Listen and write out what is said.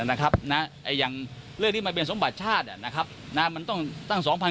นะครับนะอย่างเรื่องที่มันเป็นสมบัติชาตินะครับนะมันต้องตั้งสองพัน